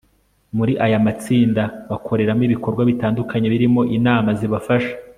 Muri aya amatsinda bakoreramo ibikorwa bitandukanye birimo inama zibafasha